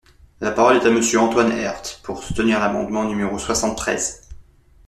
La parole est à Monsieur Antoine Herth, pour soutenir l’amendement numéro soixante-treize.